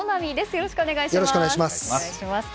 よろしくお願いします。